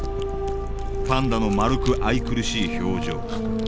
パンダの丸く愛くるしい表情。